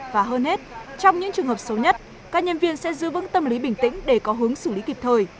và hơn hết trong những trường hợp xấu nhất các nhân viên sẽ giữ vững tâm lý bình tĩnh để có hướng xử lý kịp thời